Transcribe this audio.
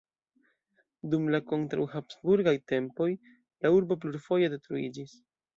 Dum la kontraŭ-Habsburgaj tempoj la urbo plurfoje detruiĝis.